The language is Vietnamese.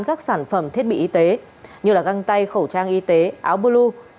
các sản phẩm thiết bị y tế như là găng tay khẩu trang y tế áo blue